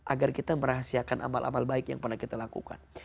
agar kita merahasiakan amal amal baik yang pernah kita lakukan